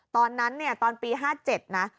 ตอนนั้นเนี่ยตอนปี๕๗นะ